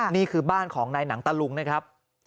นี่คือบ้านของนายหนังตะลุงนะครับ